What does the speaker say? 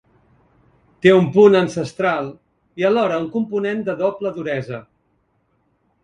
Té un punt ancestral i, alhora, un component de doble duresa.